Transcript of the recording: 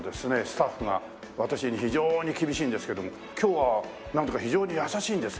スタッフが私に非常に厳しいんですけども今日はなんだか非常に優しいんですよね。